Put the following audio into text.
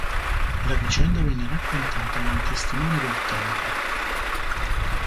La vicenda venne raccontata da un testimone del tempo.